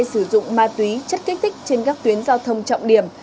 sử dụng ma túy chất kích thích trên các tuyến giao thông trọng điểm